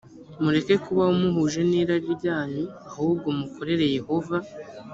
mureke kubaho muhuje n irari ryanyu ahubwo mukorere yehova